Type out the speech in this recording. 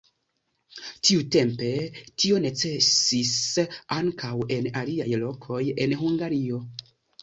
Tiutempe tio necesis ankaŭ en aliaj lokoj en Hungario.